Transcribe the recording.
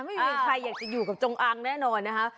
ไม่มีใครอยากจะอยู่กับจงอางแน่นอนนะคะ